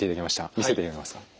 見せていただけますか。